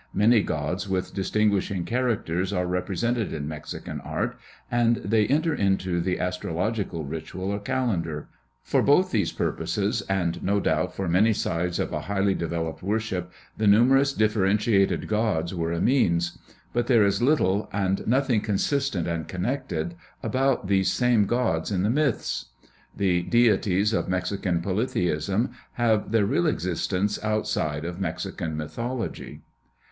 Many gods with distinguishing characters are represented in Mexican art; and they enter into the astrological ritual or calendar. For both these purposes, and no doubt for many sides of a highly developed worship, the numerous differentiated gods were a means. But there is little, and nothing consistent and connected, about these same gods in the myths. The deities of Mexican polytheism have their real existence outside of Mexican mythology.